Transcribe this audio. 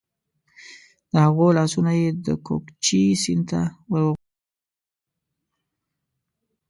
د هغوی لاسونه یې د کوکچې سیند ته ور وغورځول.